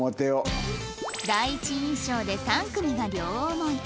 第一印象で３組が両思い